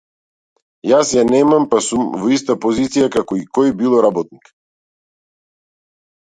Јас ја немам, па сум во иста позиција како и кој било работник.